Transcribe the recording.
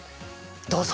どうぞ。